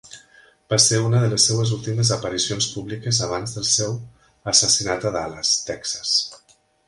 Va ser una de les seves últimes aparicions públiques abans del seu assassinat a Dallas, Texas.